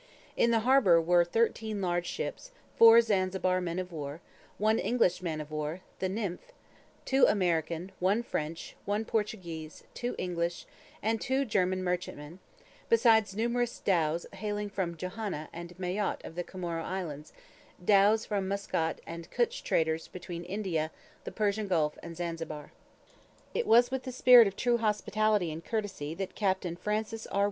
In the harbor were thirteen large ships, four Zanzibar men of war, one English man of war the 'Nymphe,' two American, one French, one Portuguese, two English, and two German merchantmen, besides numerous dhows hailing from Johanna and Mayotte of the Comoro Islands, dhows from Muscat and Cutch traders between India, the Persian Gulf, and Zanzibar. It was with the spirit of true hospitality and courtesy that Capt. Francis R.